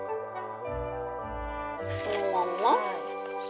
このまんま？